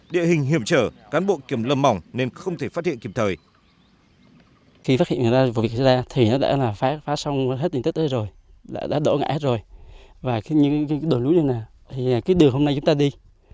địa hình hiểm trở cán bộ kiểm lâm mỏng nên không thể phát hiện kịp thời